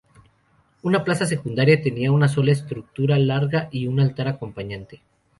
Una plaza secundaria tenía una sola estructura larga y un altar acompañante.